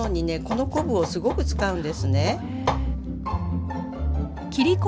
この昆布をすごく使うんですね。